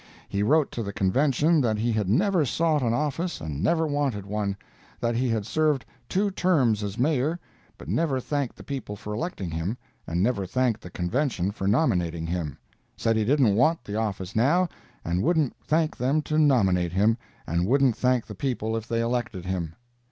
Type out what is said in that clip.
He wrote to the Convention that he had never sought an office and never wanted one; that he had served two terms as Mayor, but never thanked the people for electing him, and never thanked the Convention for nominating him; said he didn't want the office now and wouldn't thank them to nominate him, and wouldn't thank the people if they elected him.